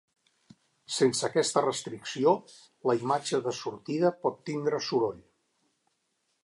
Sense aquesta restricció, la imatge de sortida pot tindre soroll.